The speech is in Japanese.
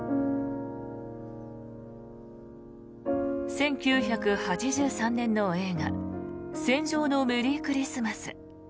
１９８３年の映画「戦場のメリークリスマス」。